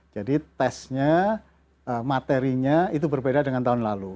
jadi tesnya materinya itu berbeda dengan tahun lalu